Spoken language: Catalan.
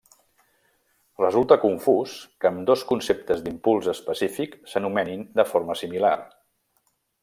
Resulta confús que ambdós conceptes d'impuls específic s'anomenin de forma similar.